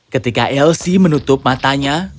ketika elsie menutup matanya